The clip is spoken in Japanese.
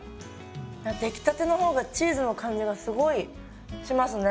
あっ出来たての方がチーズの感じがすごいしますね。